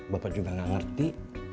bapak juga gak ngerti